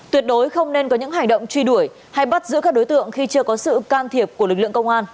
tuyệt đối không nên có những hành động truy đuổi hay bắt giữ các đối tượng khi chưa có sự can thiệp của lực lượng công an